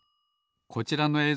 こちらのえい